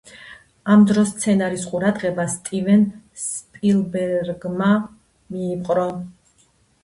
ამ დროს სცენარის ყურადღება სტივენ სპილბერგმა მიიპყრო.